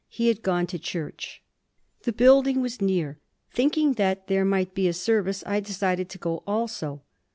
He had gone to church. The building was near. Thinking that there might be a service, I decided to go also.